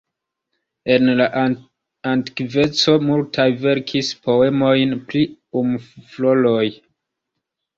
En la antikveco multaj verkis poemojn pri umefloroj.